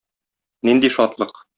Нинди шатлык!